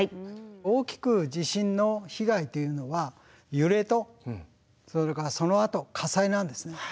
大きく地震の被害というのは揺れとそれからそのあと火災なんですね。